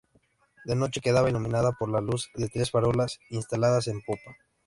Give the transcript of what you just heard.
De noche quedaba iluminada por la luz de tres farolas instaladas en popa.